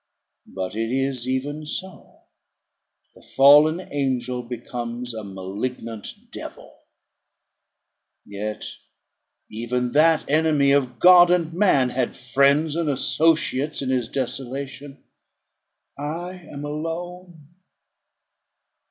But it is even so; the fallen angel becomes a malignant devil. Yet even that enemy of God and man had friends and associates in his desolation; I am alone.